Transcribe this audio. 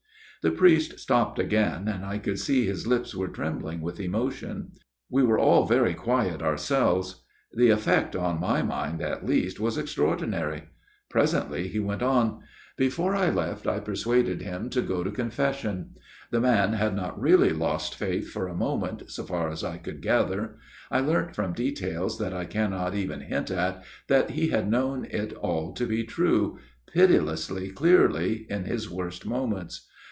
The priest stopped again ; and I could see his lips were trembling with emotion. We were all very quiet ourselves ; the effect on my mind at least was extraordinary. Presently he went on :" Before I left I persuaded him to go to con fession. The man had not really lost faith for a moment, so far as I could gather. I learnt, from details that I cannot even hint at, that he had known it all to be true, pitilessly clearly, in his worst moments.